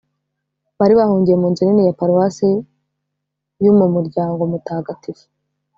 bari bahungiye mu nzu nini ya paruwasi y'umumuryango mutagatifu